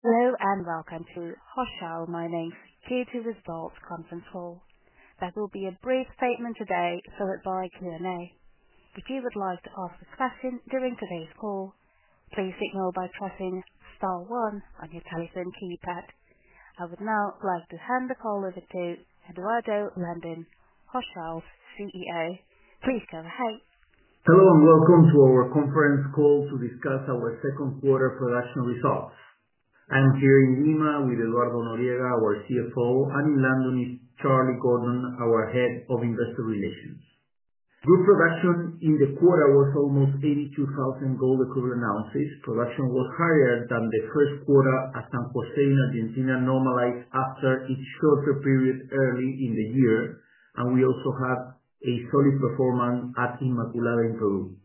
Hello and welcome to Hochschild Mining's Q2 results conference call. There will be a brief statement today followed by Q&A. If you would like to ask a question during today's call, please signal by pressing star one on your telephone keypad. I would now like to hand the call over to Eduardo Landin, Hochschild CEO. Please go ahead. Hello and welcome to our conference call to discuss our second quarter production results. I am here in Lima with Eduardo Noriega, our CFO, and in London is Charlie Gordon, our Head of Industrial Relations Group. Production in the quarter was almost 82,000 gold equivalent ounces. Production was higher than the first quarter as San Jose in Argentina normalized after its shorter period early in the year. We also had a solid performance at Immaculada in Peru.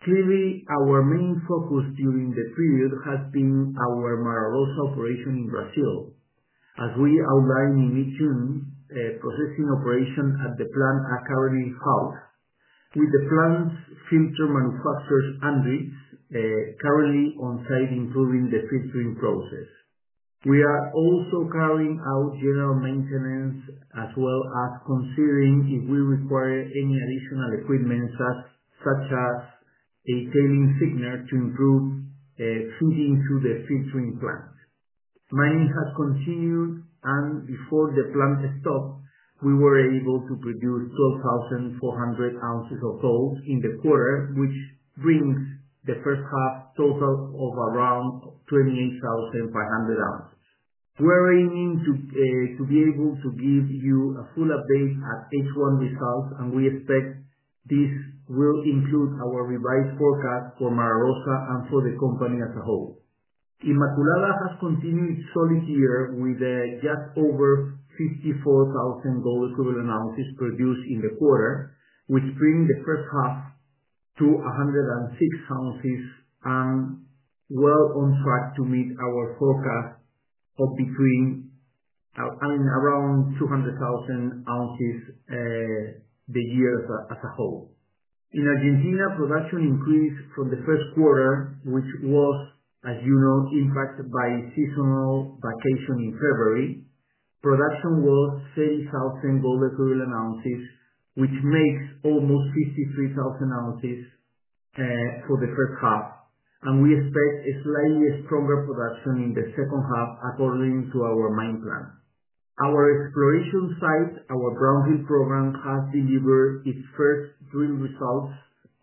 Clearly our main focus during the period has been our Mara Rosa operation in Brazil as we outlined in updates. Processing operation at the plant occurred with the plant's filter manufacturers, Andritz, currently on site improving the filtering process. We are also carrying out general maintenance as well as considering if we require any additional equipment such as a tailings thickener to improve feeding to the filtering plant. Mining has continued and before the plant stopped we were able to produce 12,400 ounces of gold in the quarter, which brings the first half total to around 28,500 ounces. We're aiming to be able to give you a full update at H1 results and we expect this will include our revised forecast for Mara Rosa and for the company as a whole. Immaculada has continued a solid year with just over 54,000 gold equivalent ounces produced in the quarter. This brings the first half to 106,000 ounces and well on track to meet our forecast of between around 200,000 ounces for the year as a whole. In Argentina, production increased from the first quarter, which was, as you know, impacted by seasonal vacation. In February, production was 30,000 gold equivalent ounces, which makes almost 53,000 ounces for the first half. We expect a slightly stronger production in the second half according to our mine plan. Our exploration site, our brownfield program, has delivered its first drill results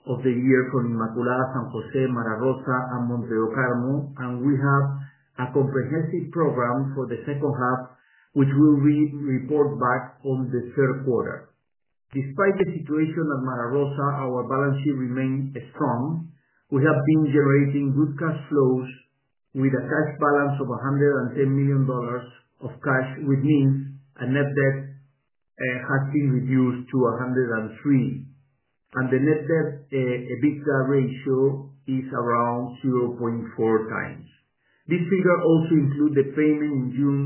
of the year from Immaculada, San Jose, Mara Rosa, and Monte do Carmo. We have a comprehensive program for the second half which we will report back on in the third quarter. Despite the situation at Mara Rosa, our balance sheet remains strong. We have been generating good cash flows with a cash balance of $110 million of cash, which means net debt has been reduced to $103 million and the net debt/EBITDA ratio is around 0.4 times. This figure also includes the payment in June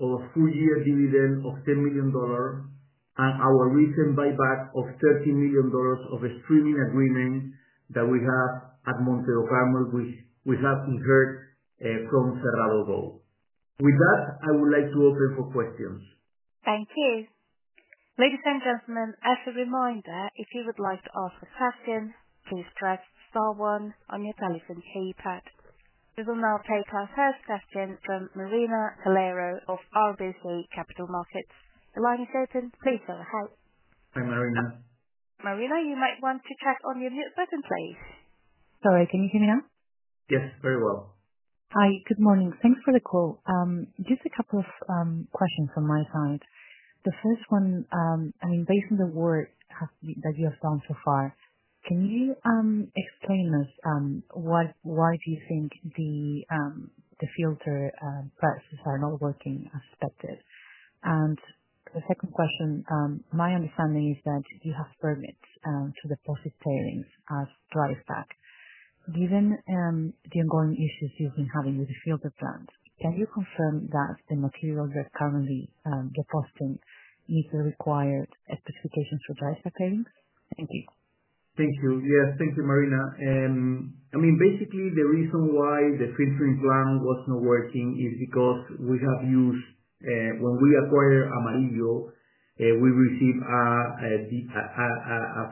of a full-year dividend of $10 million and our recent buyback of $13 million of streaming agreement that we have at Monte do Carmo, which we have inherited from Cerrado. With that, I would like to open for questions. Thank you, ladies and gentlemen. As a reminder, if you would like to ask a question, please press star one on your telephone keypad. We will now take our first question from Marina Tolero of RBC Capital Markets. The line is open, please. Hi, Marina. Marina, you might want to check on your mute button, please. Sorry. Can you hear me now? Yes, very well. Hi, good morning. Thanks for the call. Just a couple of questions on my side. The first one, based on the work that you have done so far, can you explain to us why you think the filter practices are not working as expected? The second question, my understanding is that you have permits to deposit tailings as dry stack. Given the ongoing issues you've been having with the filter plant, can you confirm that the material that's currently depositing is the required specifications for dry stack tailings? Thank you. Thank you. Yes, thank you, Marina. Basically, the reason why the filtering plant was not working is because we have used, when we acquired Amarillo, we received a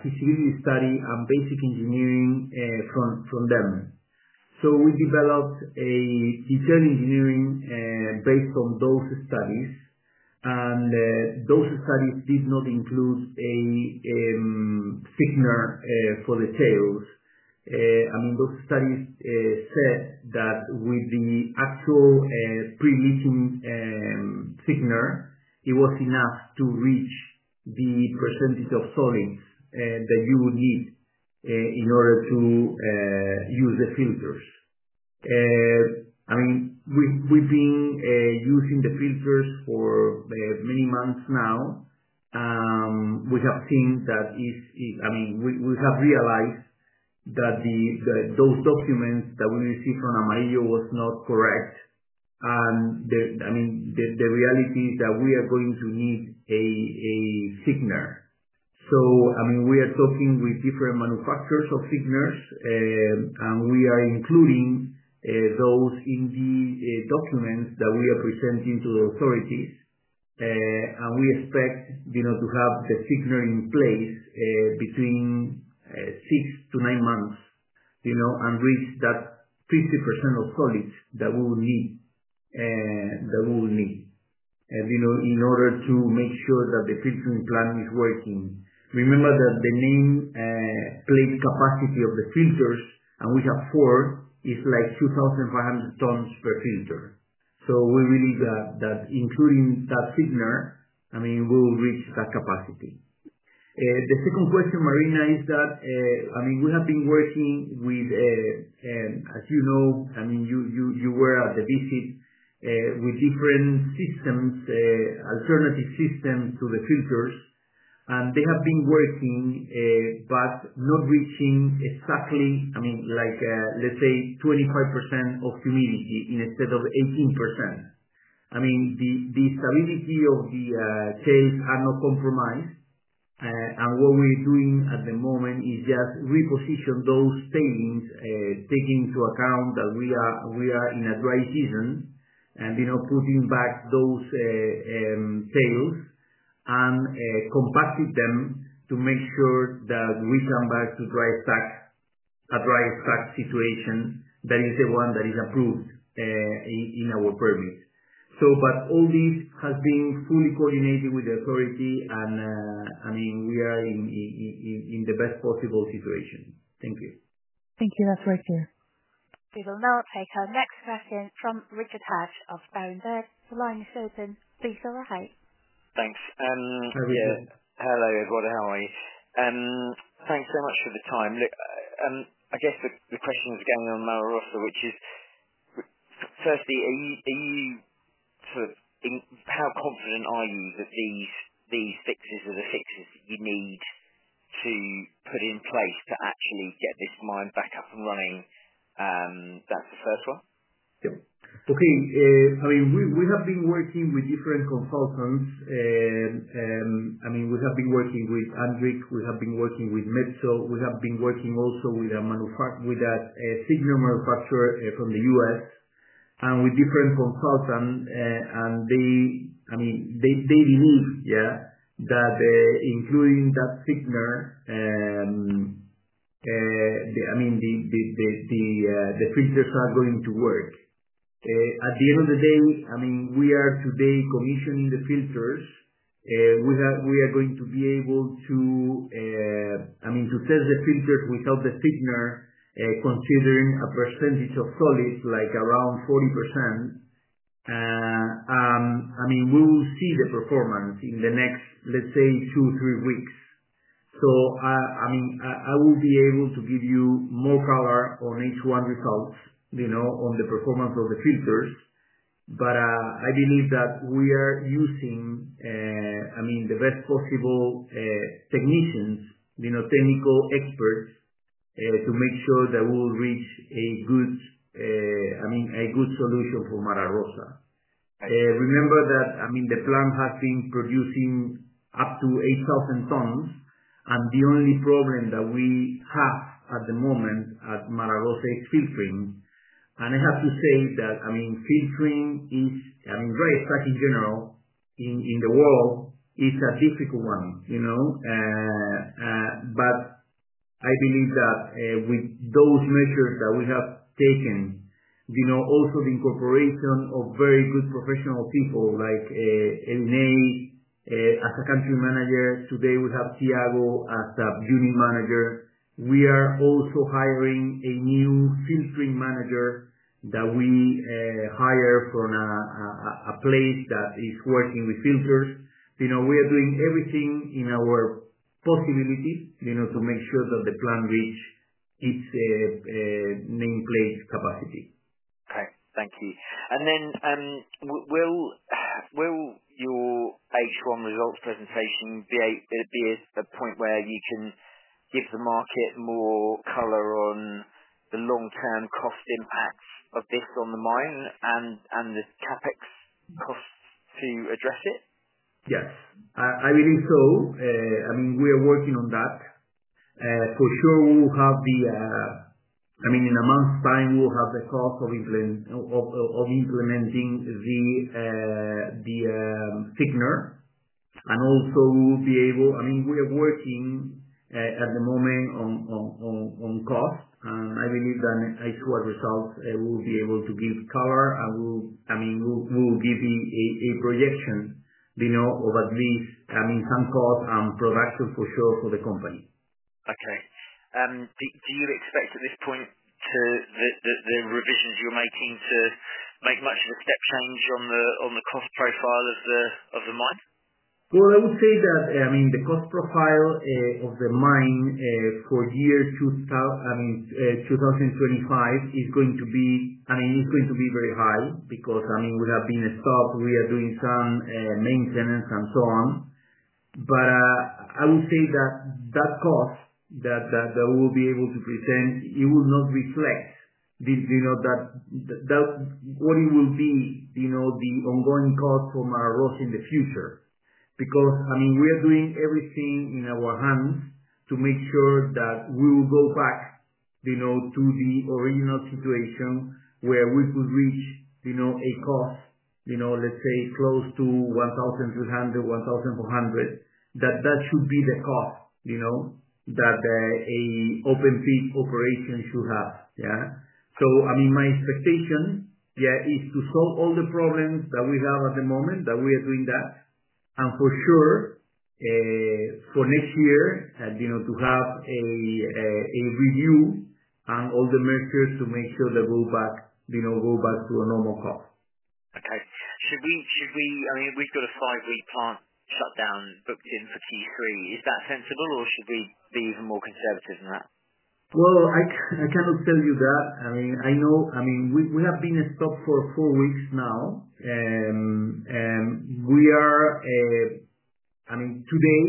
feasibility study and basic engineering from them. We developed a detailed engineering based on those studies, and those studies did not include a thickener for the tails. Those studies said that with the actual pre-leaching thickener, it was enough to reach the percentage of solids that you would need in order to use the filters. We've been using the filters for many months now. We have seen that, and we have realized that those documents that we received from Amarillo were not correct. The reality is that we are going to need a thickener. We are talking with different manufacturers of thickeners, and we are including those in the documents that we are presenting to the authorities. We expect to have the thickener in place between six to nine months and reach that 50% of solids that we would need in order to make sure that the filtering plant is working. Remember that the nameplate capacity of the filters, and we have four, is like 2,500 tons per filter. We believe that including that thickener, we will reach that capacity. The second question, Marina, is that we have been working with, as you know, you were at the visit, with different alternative systems to the filters. They have been working but not reaching exactly, like let's say 25% of humidity instead of 18%. The stability of the tails are not compromised. What we're doing at the moment is just reposition those tailings, taking into account that we are in a dry season, and putting back those tails and compacting them to make sure that we come back to a dry pack situation that is the one that is approved in our permit. All this has been fully coordinated with the authority, and we are in the best possible situation. Thank you. Thank you. That's right here. We will now take our next question from Richard Hatch of Berenberg. The line is open. Please go right ahead. Thanks. Hello, Eduardo, how are you? Thanks so much for the time. I guess the question is going on Mara Rosa, which is firstly, how confident are you that these fixes are the fixes you need to put in place to actually get this mine back up and running? That's the first one. Okay. We have been working with different consultants. We have been working with Andritz. We have been working with Metso. We have been working also with a signal manufacturer from the U.S. and with different consultants. They believe that including that thickener, the filters are going to work at the end of the day. We are today commissioning the filters. We are going to be able to test the filters without the thickener, considering a percentage of solids, like around 40%. We will see the performance in the next, let's say, two, three weeks. I will be able to give you more color on H1 results, you know, on the performance of the filters. I believe that we are using the best possible technicians, technical experts, to make sure that we will reach a good solution for Mara Rosa. Remember that the plant has been producing up to 8,000 tons. The only problem that we have at the moment at Mara Rosa is filtering. I have to say that filtering is, in general in the world, a difficult one, you know. I believe that with those measures that we have taken, also the incorporation of very good professional people like Elina as a Country Manager. Today we have Thiago as a Unit Manager. We are also hiring a new Filtering Manager that we hire from a place that is working with filters. We are doing everything in our possibilities to make sure that the plant reach its nameplate capacity. Okay, thank you. Will your H1 results presentation be a point where you can give the market more color on the long-term cost impact of this on the mine and the CapEx costs to address it? Yes, I believe so. I mean we are working on that for sure. We will have the, I mean in a month's time we will have the cost of implementing the thickener, and also we will be able, I mean we are working at the moment on cost, and I believe that I see what results will be able to give color and will give a projection of at least some cost and production for sure for the company. Okay, do you expect at this point the revisions you're making to make much of a step change on the cost profile of the mine? I would say that the cost profile of the mine for year 2025 is going to be very high because we have been stopped, we are doing some maintenance and so on. I would say that the cost that we will be able to present will not reflect what will be the ongoing cost for Mara Rosa in the future because we are doing everything in our hands to make sure that we will go back to the original situation where we could reach a cost, let's say close to $1,300, $1,400. That should be the cost that an open pit operation should have. My expectation is to solve all the problems that we have at the moment. We are doing that and for sure for next year to have a review and all the measures to make sure they go back, go back to a normal cost. Should we? I mean, we've got a five-week plant shutdown booked in for Q3. Is that sensible, or should we be even more conservative than that? I cannot tell you that. I mean, we have been stopped for four weeks now. Today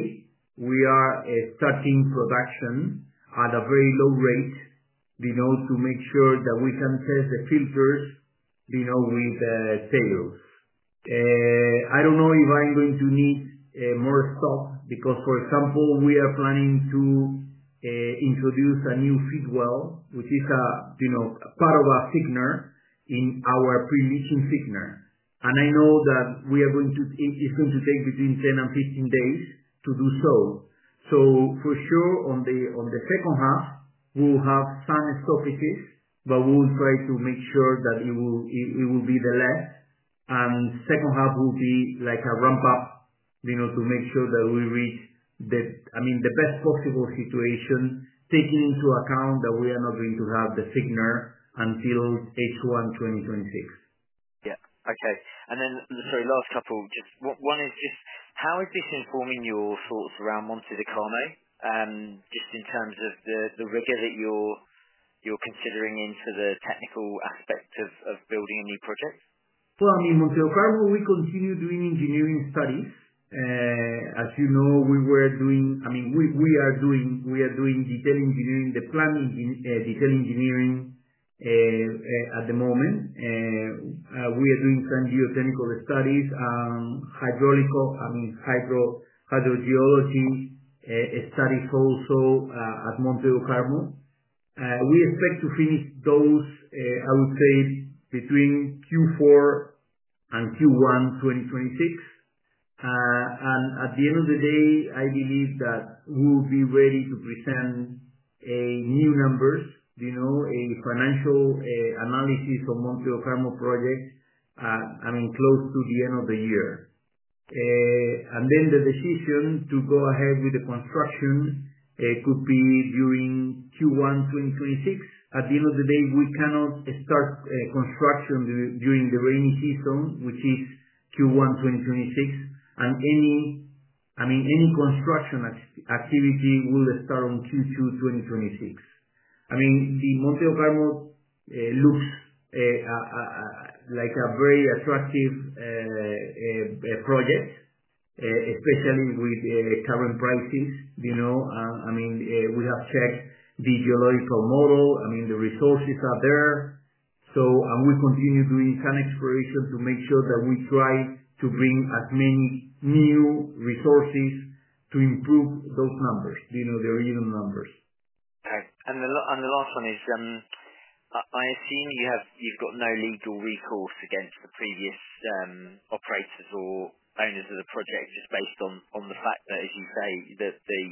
we are starting production at a very low rate to make sure that we can test the filters with tails. I don't know if I'm going to need more stock because, for example, we are planning to introduce a new feed well, which is part of a thickener in our pre-leaching thickener, and I know that it's going to take between 10 and 15 days to do so. For sure, in the second half we'll have some stoppages, but we will try to make sure that it will be less, and the second half will be like a ramp up to make sure that we reach the best possible situation, taking into account that we are not going to have the signal until H1 2026. Okay. Sorry, last couple, one is just how is this informing your thoughts around Monte do Carmo, just in terms of the rigor that you're considering into the technical aspect of building a new project? Monte do Carmo, we continue doing engineering studies, as you know, we were doing. We are doing detail engineering, the plan. Detail engineering at the moment, we are doing some geotechnical studies, hydrogeology studies also at Monte do Carmo. We expect to finish those, I would say, between Q4 and Q1 2026. At the end of the day, I believe that we'll be ready to present new numbers, you know, a financial analysis of the Monte do Carmo project, close to the end of the year. The decision to go ahead with the construction could be during Q1 2026. At the end of the day, we cannot start construction during the rainy season, which is Q1 2026, and any construction activity will start in Q2 2026. Monte do Carmo looks like a very attractive project, especially with current prices. We have checked the geological model. The resources are there. We continue doing some exploration to make sure that we try to bring as many new resources to improve those numbers, you know, the even numbers. And the last one, I assume you've got no legal recourse against the previous operators or owners of the project, just based on the fact that, as you say, the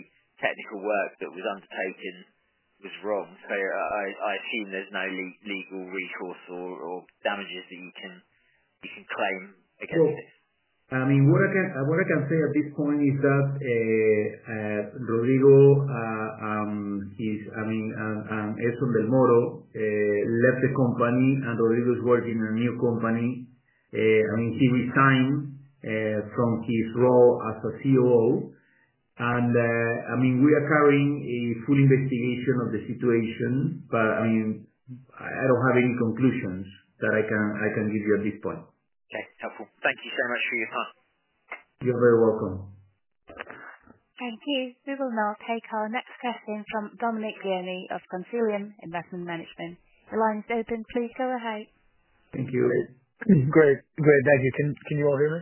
technical work that was undertaken was wrong. I assume there's no legal recourse or damages that you can claim against it. What I can say at this point is that Rodrigo and Edson Del Moro left the company, and Rodrigo is working in a new company. He resigned from his role as COO. We are carrying a full investigation of the situation, but I don't have any conclusions that I can give you at this point. Okay, helpful. Thank you so much for your part. You're very welcome. Thank you. We will now take our next question from Dominic Guerney of Consilium Investment Management. The line is open. Please go ahead. Thank you. Great, great. Thank you. Can you all hear me?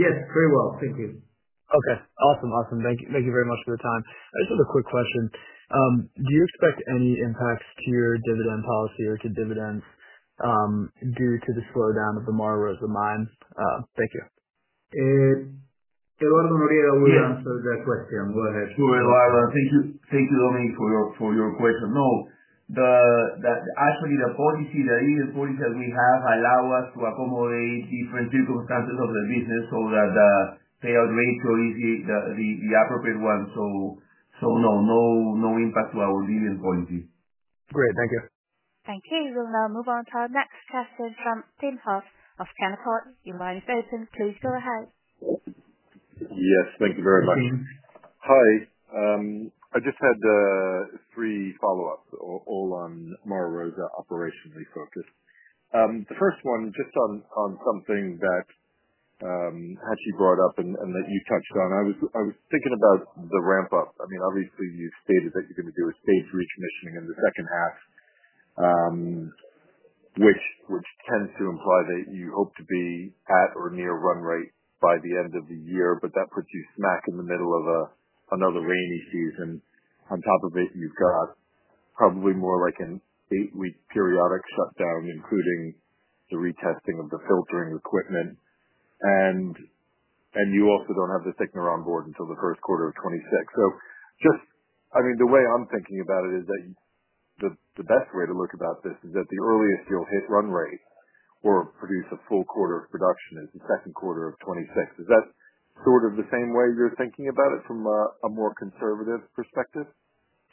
Yes, very well, thank you. Okay, awesome, awesome. Thank you very much for the time. I just have a quick question. Do you expect any impacts to your dividend policy or to dividends due to the slowdown of the Mara Rosa mine? Thank you. Eduardo Noriega will answer that question. Go ahead. Thank you, Dominic, for your question. No, actually, the dividend policy that we have allows us to accommodate different circumstances of the business so that the payout ratio is the appropriate one. No impact to our dividend policy. Great. Thank you. Thank you. We'll now move on to our next question from Tim Hoff of Canaccord. Your line is open. Please go ahead. Yes, thank you very much. Hi, I just had three follow-ups all on Mara Rosa, operationally focused. The first one, just on something that Hatchie brought up and that you touched on. I was thinking about the ramp up. I mean, obviously you stated that you're going to do a stage recommissioning in the second half, which tends to imply that you hope to be at or near run rate by the end of the year. That puts you smack in the middle of another rainy season. On top of it, you've got probably more like an eight-week periodic shutdown, including the retesting of the filtering equipment. You also don't have the thickener on board until 1Q26. Just, I mean, the way I'm thinking about it, is that the best way to look about this is that the earliest you'll hit run rate or produce a full quarter of production is the second quarter of 2026. Is that sort of the same way you're thinking about it from a more conservative perspective?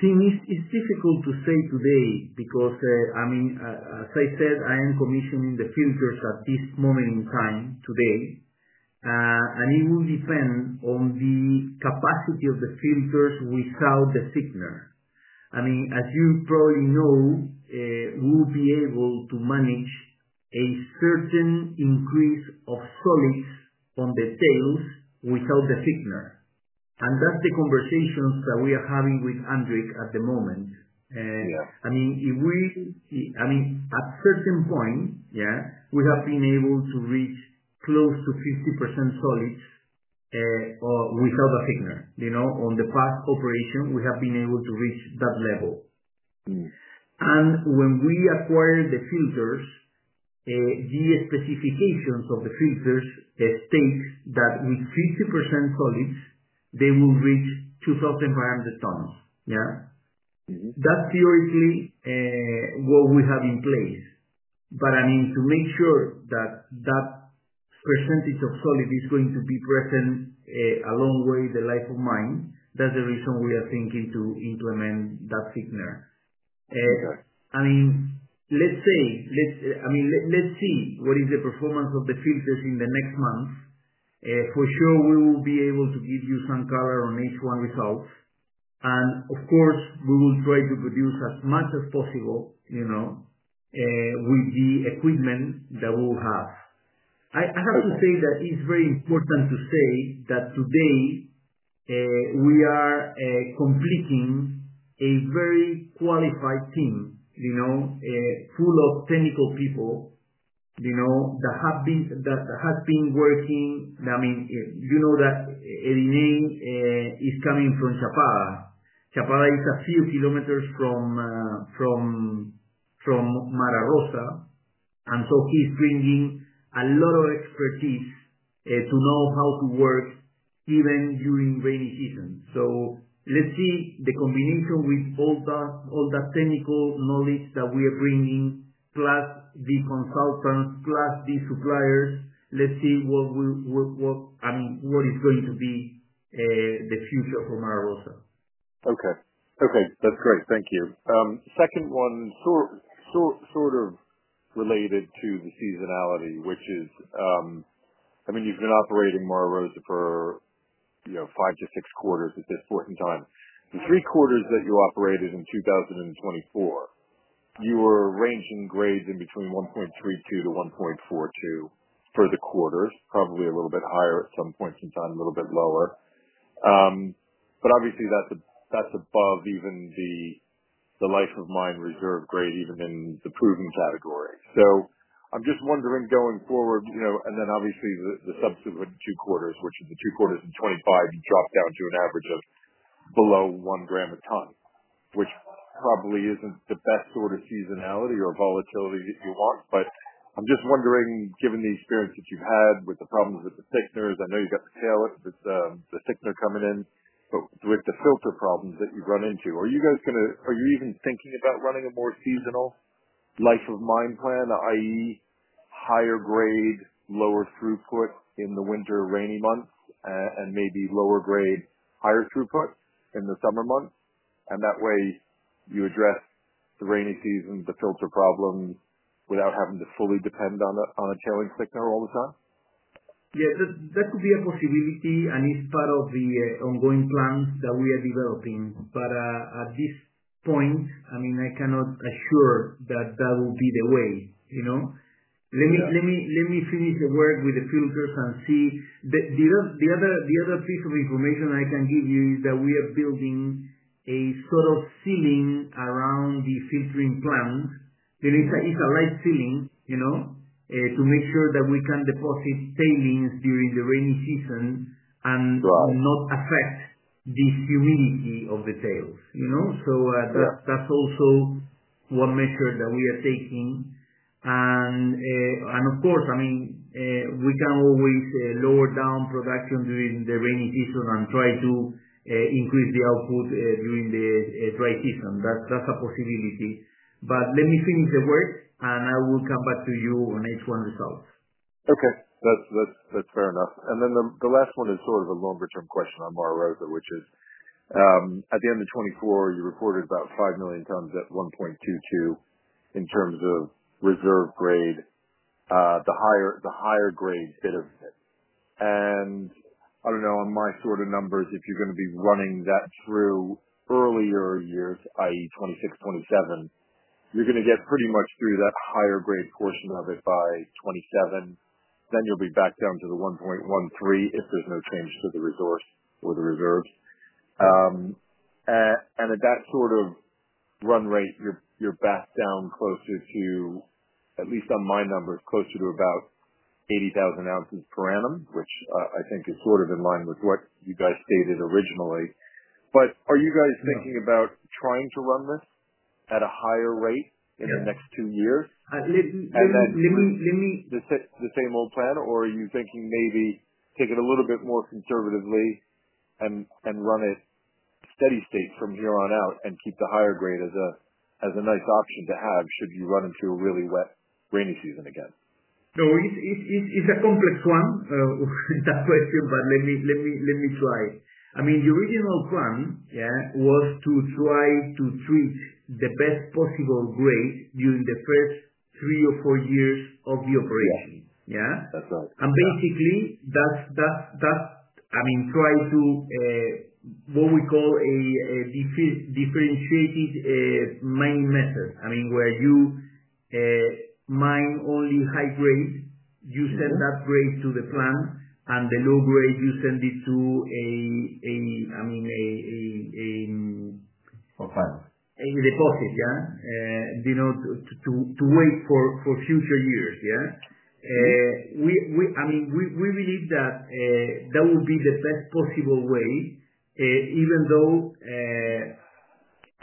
Tim, it's difficult to say today because, I mean, as I said, I am commissioning the filters at this moment in time today, and it will depend on the capacity of the filters without the thickener. I mean, as you probably know, we will be able to manage a certain increase of solids on the tails without the thickener. That's the conversations that we are having with Andritz at the moment. At a certain point, we have been able to reach close to 50% solids without a thickener. In the past operation, we have been able to reach that level. When we acquired the filters, the specifications of the filters state that with 50% solids, they will reach 2,500 tonnes. That's theoretically what we have in place. I need to make sure that that percentage of solid is going to be present along with the life of mine. That's the reason we are thinking to implement that thickener. Let's see what is the performance of the filters in the next month. For sure, we will be able to give you some color on H1 results. Of course, we will try to produce as much as possible with the equipment that we will have. I have to say that it's very important to say that today we are completing a very qualified team, full of technical people that have been working, that is coming from Chapada. Chapada is a few kilometers from Mara Rosa, and he is bringing a lot of expertise to know how to work even during rainy season. Let's see the combination. With all the technical knowledge that we are bringing, plus the consultants, plus the suppliers, let's see what is going to be the future for Mara Rosa. Okay, that's great. Thank you. Second one, short, short, shorter, related to the seasonality, which is, I mean, you've been operating Mara Rosa for, you know, five to six quarters at this point in time. The three quarters that you operated in 2024, you were ranging grades in between 1.32 to 1.42 for the quarters, probably a little bit higher at some points in time, a little bit lower. Obviously that's above even the life of mine reserve grade, even in the proven category. I'm just wondering going forward, you know, obviously the subsequent two quarter, which is the two quarters in 2025, you drop down to an average of below 1 gram a ton, which probably isn't the best sort of seasonality or volatility that you want. I'm just wondering, given the experience that you've had with the problems with the thickeners, I know you've got the tail up with the thickener coming in, but with the filter problems that you run into, are you guys going to, are you even thinking about running a more seasonal life of mine plan i.e. higher grade, lower throughput in the winter rainy months and maybe lower grade, higher throughput in the summer months? That way you address the rainy season, the filter problems, without having to fully depend on a tailings thickener all the time. Yes, that could be a possibility. It's part of the ongoing plans that we are developing. At this point, I cannot assure that that will be the way. Let me finish the work with the filters and see. The other piece of information I can give you is that we are building a sort of ceiling around the filter plant. It's a light sealing to make sure that we can deposit tailings during the rainy season and not affect the humidity of the tails. That's also one measure that we are taking. Of course, we can always lower down production during the rainy season and try to increase the output during the dry season. That's a possibility. Let me finish the work and I will come back to you on H1 results. Okay, that's fair enough. The last one is sort of a longer term question. On Mara Rosa, which is at the end of 2024, you reported about 5 million tonnes at 1.22 in terms of reserve grade, the higher grade bit of it, and I don't know on my sort of numbers, if you're going to be running that through earlier years, that is 2026, 2027, you're going to get pretty much through that higher grade portion of it by 2027. You'll be back down to the 1.13 if there's no change to the resource or the reserves. At that sort of run rate, you're back down closer to, at least on my numbers, closer to about 80,000 ounces per annum, which I think is sort of in line with what you guys stated originally. Are you guys thinking about trying to run this at a higher rate in the next two years, the same old plan, or are you thinking maybe take it a little bit more conservatively and run it steady state from here on out and keep the higher grade as a nice option to have should you run into a really wet rainy season? No, it's a complex one, that question. Let me try. The original plan was to try to treat the best possible grade during the first three or four years of the operation. Basically, that means trying what we call a differentiated mining method, where you mine only high grade, send that grade to the plant, and the low grade you send to deposit to wait for future years. We believe that would be the best possible way, even though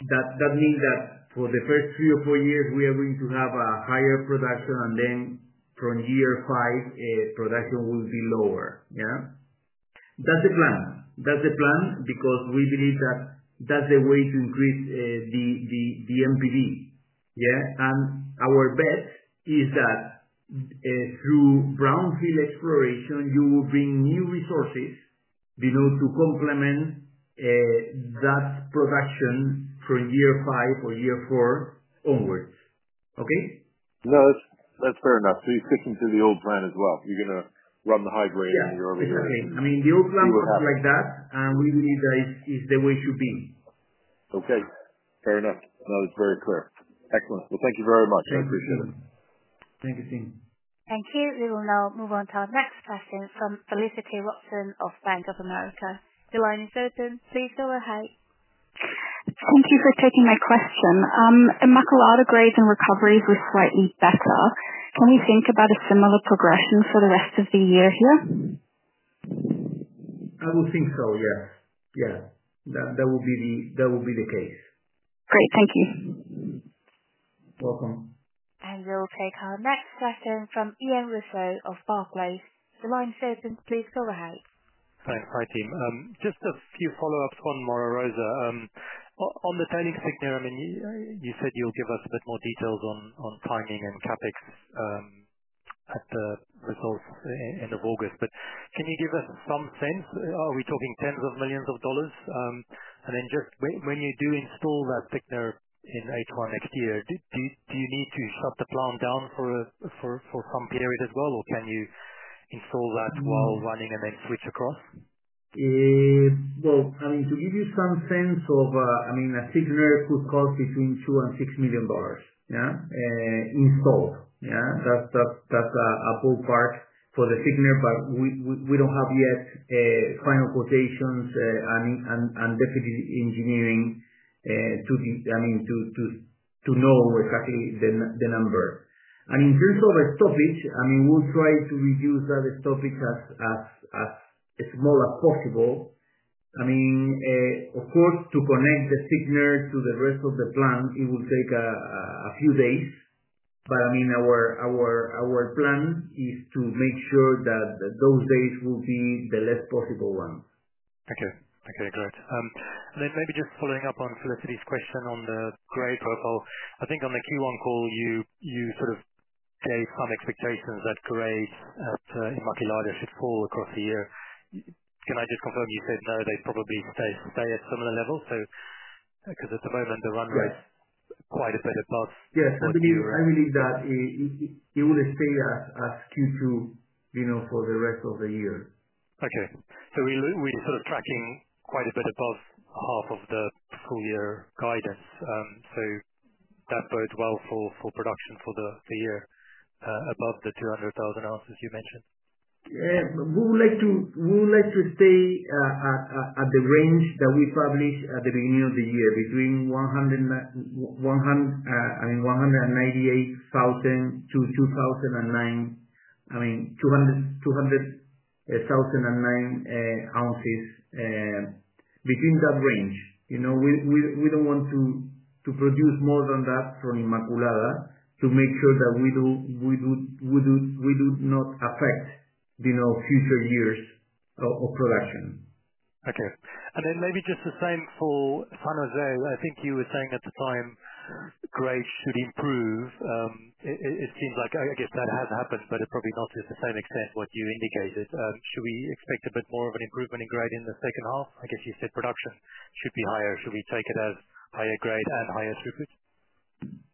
that means that for the first three or four years we are going to have a higher production, and then from year five, production will be lower. That's the plan, because we believe that's the way to increase the NPV. Our bet is that through brownfield exploration, you will bring new resources to complement that production from year five or year four onwards. No, that's fair enough. You're sticking to the old plan as well? You're going to run the high grade? I mean, the old plan was like that, and we believe that is the way it should be. Okay, fair enough. Now it's very clear. Excellent. Thank you very much. I appreciate it. Thank you Tim. Thank you. We will now move on to our next question from Felicity Watson of Bank of America. The line is open. Please go ahead. Thank you for taking my question. The Immaculada grades and recoveries were slightly better. Can we think about a similar progression for the rest of the year here? I would think so. Yes, that would be the case. Great. Thank you. Welcome. We will take our next question from Ian Russo of Barclays. The line is open, please go ahead. Thanks. Hi, team. Just a few follow-ups on Mara Rosa on the tailings thickener. I mean, you said you'll give us a bit more details on timing and CapEx at the results end of August, but can you give us some sense? Are we talking tens of millions of dollars? When you do install that thickener in H1 next year, do you need to shut the plant down for some period as well? Can you install that while running and then switch across? To give you some sense of it, a thickener could cost between $2 million and $6 million installed. That's a ballpark for the thickener, but we don't have yet final quotations and definite engineering to know exactly the number. In terms of stoppage, we'll try to reduce that stoppage as small as possible. Of course, to connect the thickener to the rest of the plant, it will take a few days, but our plan is to make sure that those days will be the least possible ones. Okay, great. Maybe just following up on Felicity's question on the grade profile. I think on the Q1 call, you sort of gave some expectations that grades at Immaculada should fall across the year. Can I just confirm you said no? They probably stay at similar levels because at the moment the run rate is quite a bit above. Yes, I believe that it will stay as Q2 for the rest of the year. Okay, we're sort of tracking quite a bit above half of the full-year guidance. That bodes well for production for the year above the 200,000 ounces you mentioned. We would like to stay at the range that we published at the beginning of the year, between 198,000 to 200,009 ounces. That range, you know, we don't want to produce more than that from Immaculada to make sure that we do not affect future years of production. Okay, and then maybe just the same for San Jose. I think you were saying at the time grades should improve. It seems like that has happened, but it's probably not to the same extent you indicated it should do. We expect a bit more of an improvement in grade in the second half. I guess you said production should be higher. Should we take it as higher grade and higher throughput?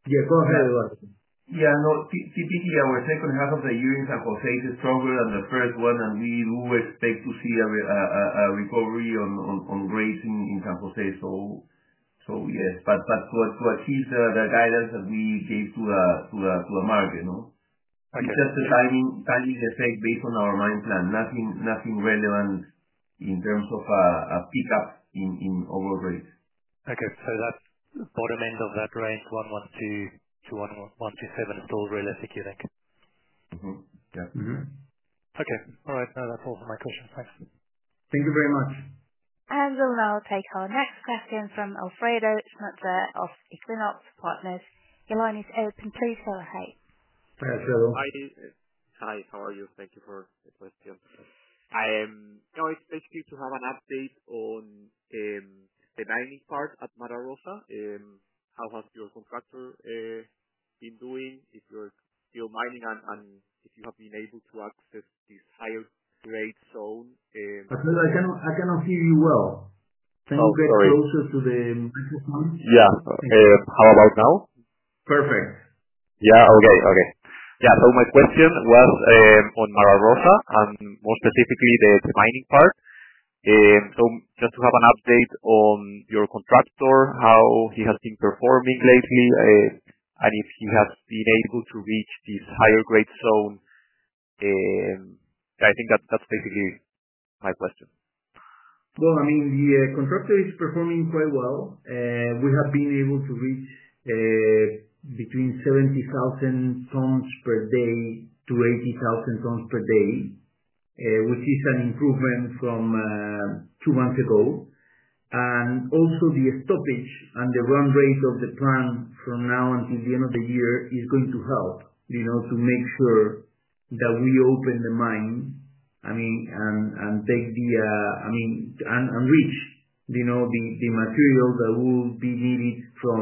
Yeah, go ahead. Typically our second half of the year in San Jose is stronger than the first one. We do expect to see a recovery on grade in San Jose. Yes, to achieve the guidance that we gave to Amarillo, it's just a timing effect based on our mine plan. Nothing relevant in terms of a pickup in overall rate. Okay. That bottom end of that range, 112,127, is still realistic, you think? Okay. All right, that's all for my question. Thanks. Thank you very much. We will now take our next question from Alfredo Schmutzer of Equinox Partners. Your line is open. Please go ahead. Hi, how are you? Thank you for the question. It's basically to have an update on the mining part at Mara Rosa. How has your contractor been doing if you're still mining, and if you have been able to access this higher grade zone? I cannot hear you. Can you get closer to the microphone? How about now? Perfect. Yeah. Okay. Okay. Yeah. My question was on Mara Rosa and more specifically the mining part. Just to have an update on your contractor, how he has been performing lately and if he has been able to reach this higher grade zone. I think that's basically my question. The constructor is performing quite well. We have been able to reach between 70,000 tons per day to 80,000 tons per day, which is an improvement from two months ago. The stoppage and the run rate of the plant from now until the end of the year is going to help to make sure that we open the mine and take the enrich the material that will be needed for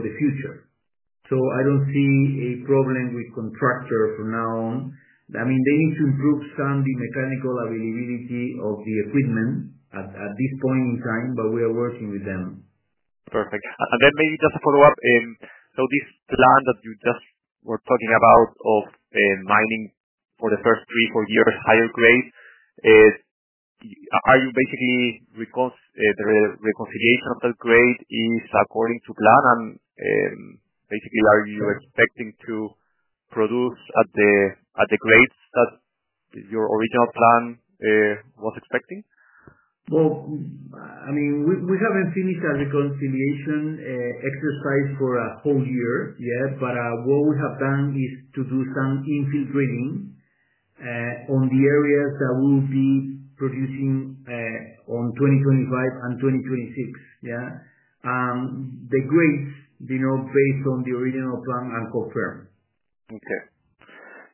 the future. I don't see a problem with contractor from now on. They need to improve some of the mechanical availability of the equipment at this point in time, but we are working with them. Perfect. Maybe just a follow up. This plan that you just were talking about of mining for the first three, four years, higher grade. Are you basically the reconciliation of that grade is according to plan? Are you expecting to produce at the grades that your original plan was expecting? I mean, we haven't finished a reconciliation exercise for a whole year yet. What we have done is to do some infiltrating on the areas that we will be producing on 2025 and 2026. The grades do not based on the original plan and confirmed. Okay.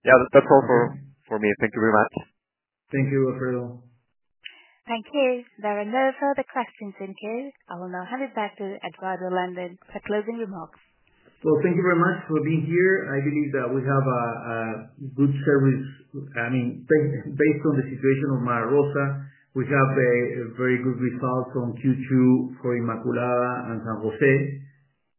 Yeah, that's all for. Thank you very much. Thank you, Alfredo. Thank you. There are no further questions in que. I will now hand it back to Eduardo Landin for closing remarks. Thank you very much for being here. I believe that we have a good service. I mean, based on the situation of Mara Rosa, we have very good results on Q2 for Immaculada and San Jose.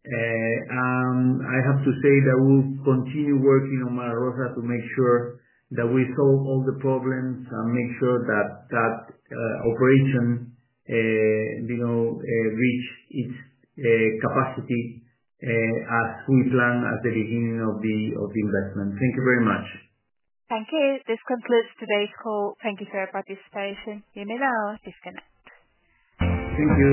I have to say that we'll continue working on Mara Rosa to make sure that we solve all the problems and make sure that that operation reaches its capacity as we plan at the beginning of the investment. Thank you very much. Thank you. This concludes today's call. Thank you for your participation. You may now disconnect. Thank you.